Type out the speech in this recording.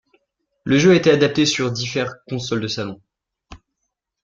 Le jeu a été adapté sur divers consoles de jeu.